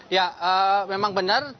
ya memang benar